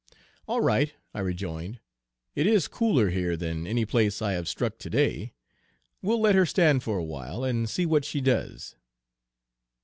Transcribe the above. "All right," I rejoined; "it is cooler here than any place I have struck today. We'll let her stand for a while, and see what she does."